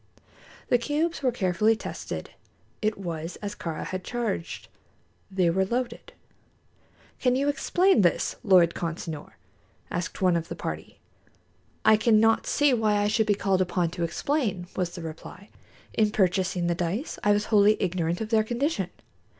The cubes were carefully tested. It was as Kāra had charged they were loaded. "Can you explain this, Lord Consinor?" asked one of the party. "I cannot see why I should be called upon to explain," was the reply. "In purchasing the dice, I was wholly ignorant of their condition.